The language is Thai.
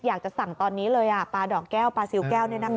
อยากจะสั่งตอนนี้เลยปลาดอกแก้วปลาซิลแก้ว